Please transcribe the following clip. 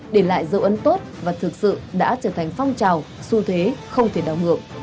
để lại dấu ấn tốt và thực sự đã trở thành phong trào xu thế không thể đảo ngược